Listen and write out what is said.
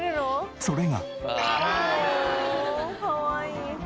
それが。